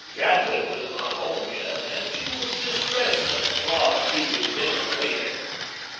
Jadwin was not home yet, and she was distressed at the thought of keeping dinner waiting.